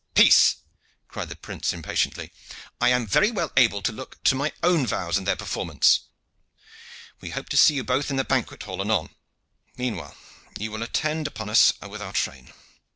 peace!" cried the prince impatiently. "I am very well able to look to my own vows and their performance. We hope to see you both in the banquet hall anon. Meanwhile you will attend upon us with our train."